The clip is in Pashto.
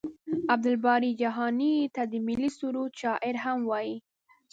عبدالباري جهاني ته د ملي سرود شاعر هم وايي.